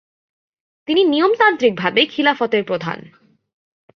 তিনি নিয়মতান্ত্রিকভাবে খিলাফতের প্রধান।